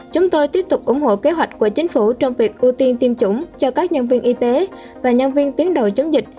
chúng tôi tiếp tục ủng hộ kế hoạch của chính phủ trong việc ưu tiên tiêm chủng cho các nhân viên y tế và nhân viên tuyến đầu chống dịch